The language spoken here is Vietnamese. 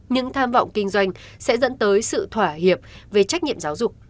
những tham vọng kinh doanh sẽ dẫn tới sự thỏa hiệp về trách nhiệm giáo dục